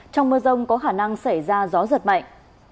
trong mưa rông có khả năng xảy ra gió giật mạnh